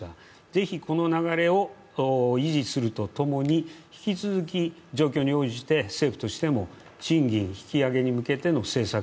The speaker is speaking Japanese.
ぜひこの流れを維持するとともに引き続き状況に応じて政府としても賃金引き上げに向けての政策、